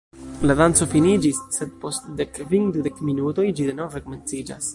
La danco finiĝis, sed post dekkvin-dudek minutoj ĝi denove komenciĝas.